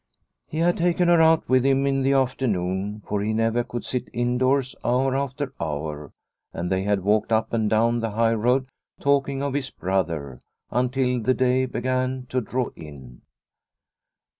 He had taken her out with him in the after noon, for he never could sit indoors hour after hour, and they had walked up and down the 1 62 Liliecrona's Home high road talking of his brother, until the day began to draw in.